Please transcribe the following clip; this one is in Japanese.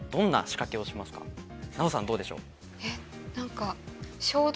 奈緒さんどうでしょう？